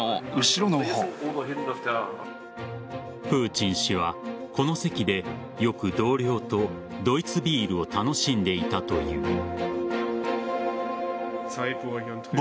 プーチン氏はこの席でよく同僚とドイツビールを楽しんでいたという。